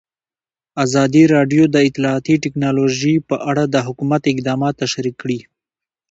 ازادي راډیو د اطلاعاتی تکنالوژي په اړه د حکومت اقدامات تشریح کړي.